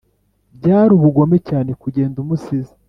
byari ubugome cyane kugenda umusize